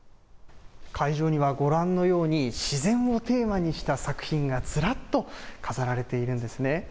会場にはご覧のように、自然をテーマにした作品がずらっと飾られているんですね。